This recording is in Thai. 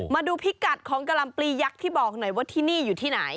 มาดูพิกัดของกะลำปลียักษ์บอกหน่อยที่นี่อยู่ที่ไหน